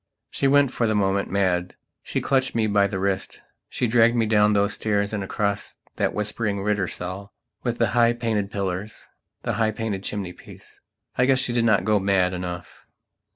She went, for the moment, mad. She clutched me by the wrist; she dragged me down those stairs and across that whispering Rittersaal with the high painted pillars, the high painted chimney piece. I guess she did not go mad enough.